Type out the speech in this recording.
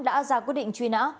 đã ra quy định truy nã